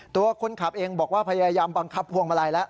ตัวคนขับเองบอกว่าพยายามบังคับพวงมาลัยแล้ว